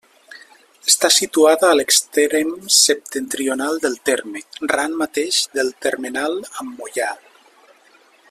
Està situada a l'extrem septentrional del terme, ran mateix del termenal amb Moià.